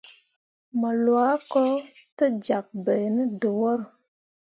Mo lwa ko te ja bai ne dəwor.